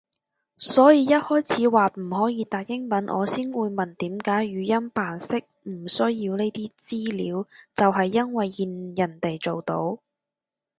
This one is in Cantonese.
所以一開始話唔可以打英文，我先會問點解語音辨識唔需要呢啲資料就係因為見人哋做到